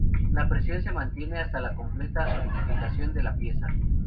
La presión se mantiene hasta la completa solidificación de la pieza.